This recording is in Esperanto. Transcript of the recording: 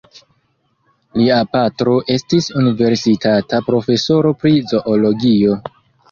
Lia patro estis universitata profesoro pri Zoologio.